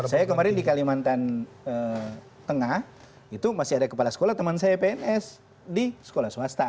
saya kemarin di kalimantan tengah itu masih ada kepala sekolah teman saya pns di sekolah swasta